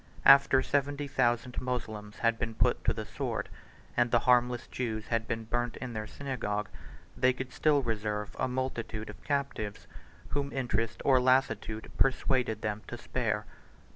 After seventy thousand Moslems had been put to the sword, and the harmless Jews had been burnt in their synagogue, they could still reserve a multitude of captives, whom interest or lassitude persuaded them to spare.